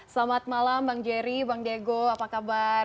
selamat malam bang jerry bang diego apa kabar